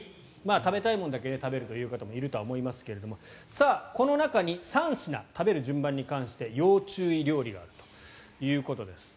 食べたいものだけ食べるという方もいると思いますがこの中に３品食べる順番に関して要注意料理があるということです。